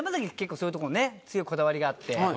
そういうとこね強いこだわりがあって。